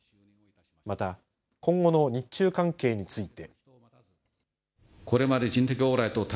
また、今後の日中関係について。